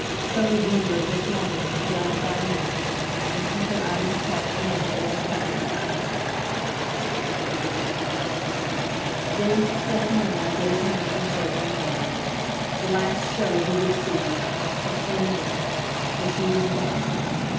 Soames lingered just long enough to gratify Annette, then took her out of the Park to lunch at his father's in Park Lane.... James had spent the morning gazing out of his bedroom window. The last show he would see, last of so many! So she was gone!